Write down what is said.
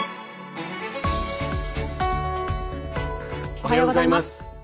おはようございます。